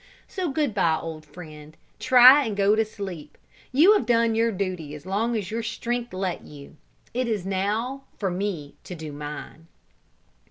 So good bye, old friend; try and go to sleep; you have done your duty as long as your strength let you, it is now for me to do mine."